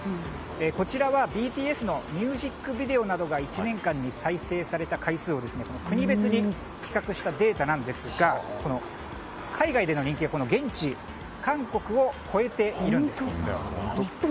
こちらは、ＢＴＳのミュージックビデオなどが１年間に再生された回数を国別に比較したデータなんですが海外での人気が現地・韓国を超えているんです。